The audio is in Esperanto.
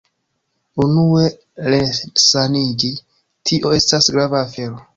Unue resaniĝi, tio estas grava afero.